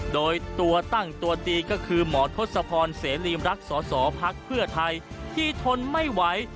โดยตัวตั้งตัวตีก็คือหมอทศพรเสรีมรักสอสอพักเพื่อไทยที่ทนไม่ไหว